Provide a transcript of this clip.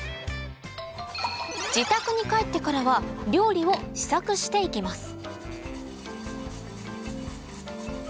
自宅に帰ってからは料理を試作して行きます